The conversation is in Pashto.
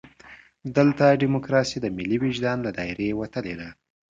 دلته ډیموکراسي د ملي وجدان له دایرې وتلې ده.